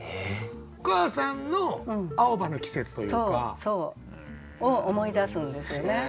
お母さんの青葉の季節というか。を思い出すんですよね。